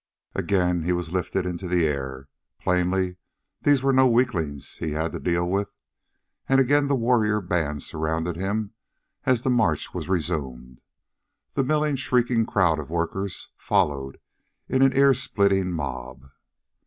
Again he was lifted into the air plainly these were no weaklings he had to deal with and again the warrior band surrounded him as the march was resumed. The milling, shrieking crowd of workers followed in an ear splitting mob.